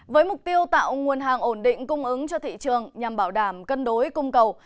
với mục tiêu tạo nguồn hàng ổn định cung ứng cho thị trường nhằm bảo đảm cân đối cung cầu